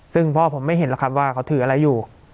ซึ่งพ่อผมไม่เห็นหรอกครับว่าเขาถืออะไรอยู่